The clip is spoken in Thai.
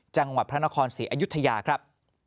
จังหวัดพระนครศรีอยุธยาครับ